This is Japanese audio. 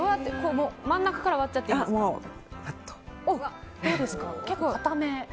真ん中から割っちゃっていいですか。